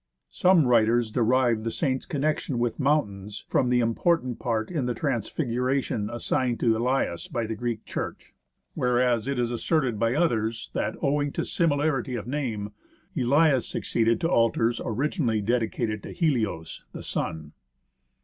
Some writers derive the saint's connection with mountains from the important part in the Trans figuration assigned to Elias by the Greek Church ; whereas it is asserted by others that, owing to similarity of name, Elias succeeded to altars originally dedicated to Helios, the Sun.